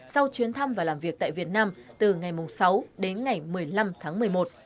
sau chuyến thăm và làm việc tại việt nam từ ngày sáu đến ngày một mươi năm tháng một mươi một